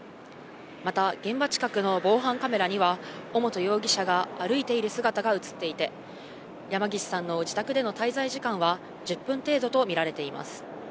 また、現場近くの防犯カメラには、尾本容疑者が歩いている姿が写っていて、山岸さんの自宅での滞在時間は１０分程度と見られています。